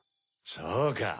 そうか。